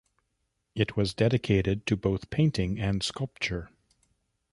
It was dedicated to both painting and sculpture.